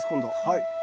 はい。